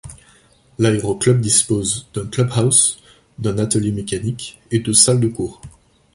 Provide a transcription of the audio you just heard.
L'aéro-club dispose d'un club-house, d'un atelier mécanique et de salle de cours.